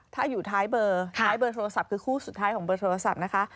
ถ้าอยู่ท้ายเบอร์ท้ายเบอร์โทรศัพท์คือคู่สุดท้ายของเบอร์โทรศัพท์นะคะ